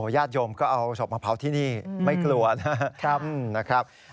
ยาดโยมก็เอาสอบมะพร้าวที่นี่ไม่กลัวนะครับ